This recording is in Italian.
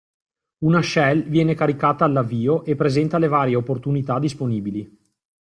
Una shell viene caricata all'avvio e presenta le varie opportunità disponibili.